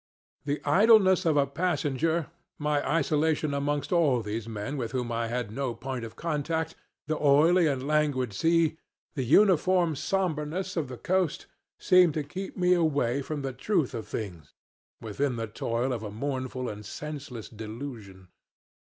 The idleness of a passenger, my isolation amongst all these men with whom I had no point of contact, the oily and languid sea, the uniform somberness of the coast, seemed to keep me away from the truth of things, within the toil of a mournful and senseless delusion.